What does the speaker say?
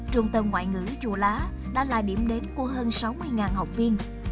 trung tâm ngoại ngữ chùa lá đã là điểm đến của hơn sáu mươi học viên